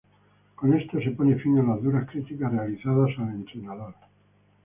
Con esto se pone fin a las duras críticas realizadas al entrenador.